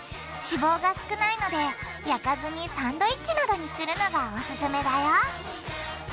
脂肪が少ないので焼かずにサンドイッチなどにするのがオススメだよ！